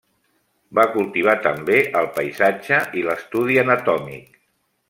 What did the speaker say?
Va cultivar també el paisatge i l'estudi anatòmic.